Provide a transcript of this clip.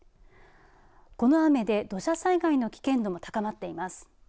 この雨で土砂災害の危険度も高まっています。